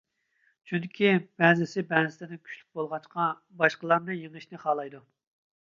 چۈنكى، بەزىسى بەزىسىدىن كۈچلۈك بولغاچقا، باشقىلارنى يېڭىشنى خالايدۇ.